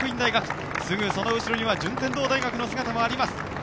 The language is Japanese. そのすぐ後ろには順天堂大学の姿もあります。